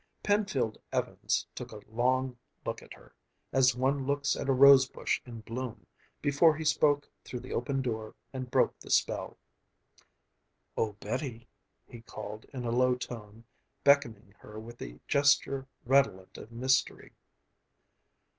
Penfield Evans took a long look at her, as one looks at a rose bush in bloom, before he spoke through the open door and broke the spell. "Oh, Betty," he called in a low tone, beckoning her with a gesture redolent of mystery.